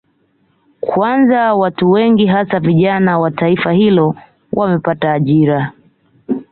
Kwanza watu wengi hasa vijana wa taifa hilo wamepata ajira